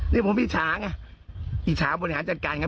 นี่ผมอิจฉาไงอิจฉาบริหารจัดการไง